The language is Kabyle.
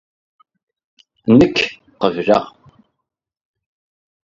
Nekk qeble?.